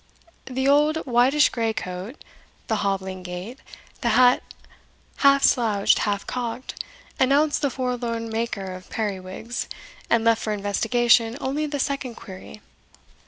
The old whitish grey coat, the hobbling gait, the hat half slouched, half cocked, announced the forlorn maker of periwigs, and left for investigation only the second query.